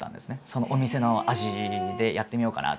そのお店の味でやってみようかな。